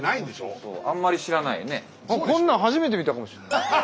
こんなん初めて見たかもしんない。